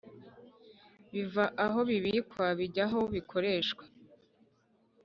biva aho bibikwa bijya aho bikoreshwa